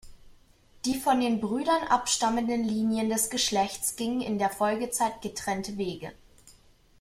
Die von den Brüdern abstammenden Linien des Geschlechts gingen in der Folgezeit getrennte Wege.